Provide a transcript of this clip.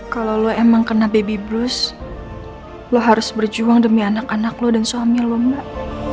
kalau lo emang kena baby brus lo harus berjuang demi anak anak lo dan suami lo mbak